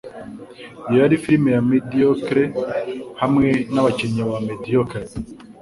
Iyo yari firime ya mediocre hamwe nabakinnyi ba mediocre.